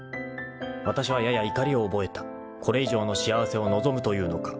［わたしはやや怒りを覚えたこれ以上の幸せを望むというのか］